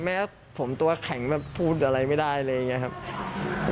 แม่ผมตัวแข็งก็พูดอะไรไม่ได้เลยอีกอย่างนี้ครับ